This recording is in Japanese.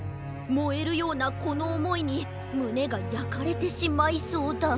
もえるようなこのおもいにむねがやかれてしまいそうだ。